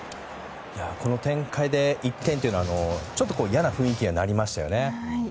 この展開で１点はちょっと嫌な雰囲気になりましたね。